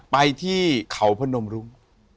ไปที่เข่าพ่อนมรุง